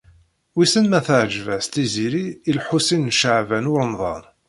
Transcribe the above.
Wissen ma teɛjeb-as Tiziri i Lḥusin n Caɛban u Ṛemḍan.